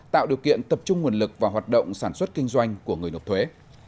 tạo điều kiện tập trung nguồn lực vào hoạt động sản xuất kinh doanh của người nộp thuế